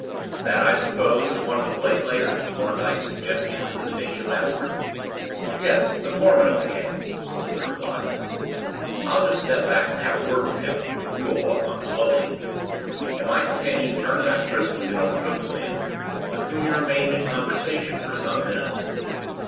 "That, I suppose, is one of the plate layers?" Thorndyke suggested to the station master. "Yes, the foreman of the gang," was the reply. "I'll just step back and have a word with him, if you will walk on slowly." And my colleague turned back briskly and overtook the man, with whom he remained in conversation for some minutes.